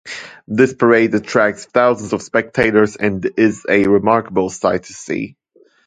This parade attracts thousands of spectators and is a remarkable sight to see.